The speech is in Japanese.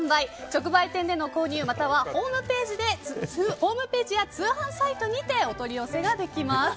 直売店での購入またはホームページや通販サイトにてお取り寄せができます。